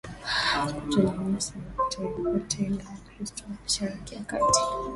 kutonyanyasa utenga wakristo wa mashariki ya kati